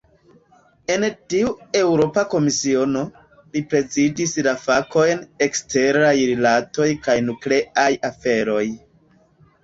En tiu Eŭropa Komisiono, li prezidis la fakojn "eksteraj rilatoj kaj nukleaj aferoj".